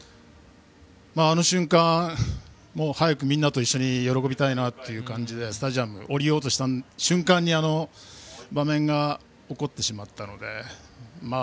あの瞬間、早くみんなと一緒に喜びたいなとスタジアムに下りようとした瞬間にあの場面が起こってしまったので。